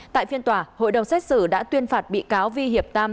tại phiên tòa hội đồng xét xử đã tuyên phạt bị cáo vi hiệp tam